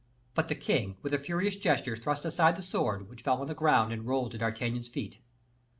But the king, with a furious gesture, thrust aside the sword, which fell on the ground and rolled to D'Artagnan's feet.